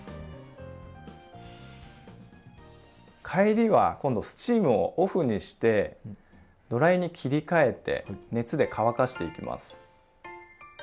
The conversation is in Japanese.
帰りは今度スチームをオフにしてドライに切り替えて熱で乾かしていきます。